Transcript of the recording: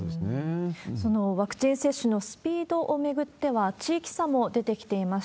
そのワクチン接種のスピードを巡っては地域差も出てきています。